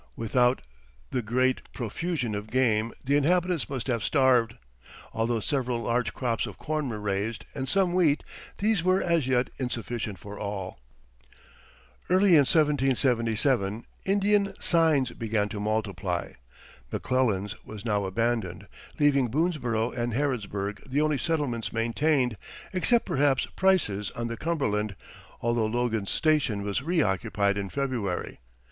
Without the great profusion of game the inhabitants must have starved; although several large crops of corn were raised, and some wheat, these were as yet insufficient for all. Early in 1777 Indian "signs" began to multiply. McClellan's was now abandoned, leaving Boonesborough and Harrodsburg the only settlements maintained except, perhaps, Price's, on the Cumberland, although Logan's Station was reoccupied in February.